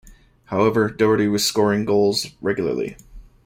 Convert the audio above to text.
However, Doherty was scoring goals regularly.